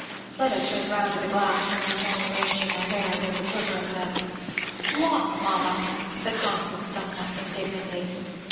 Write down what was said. Fleda turned round to the glass, and went on arranging her hair, with a quivering lip. "Lot, mamma!" said Constance somewhat indignantly.